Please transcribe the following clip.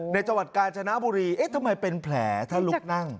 จังหวัดกาญจนบุรีเอ๊ะทำไมเป็นแผลถ้าลุกนั่ง